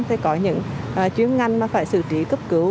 thì có những chuyến ngăn mà phải xử trí cấp cứu